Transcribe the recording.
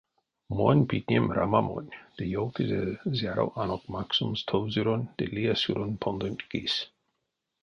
Монь питнем рамамонь... — ды ёвтызе, зяро анок максомс товсюронь ды лия сюронь пондонть кис.